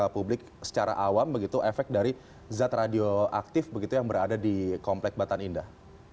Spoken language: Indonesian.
publik secara awam begitu efek dari zat radioaktif begitu yang berada di komplek batan indah